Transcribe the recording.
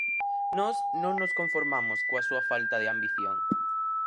Nós non nos conformamos coa súa falta de ambición.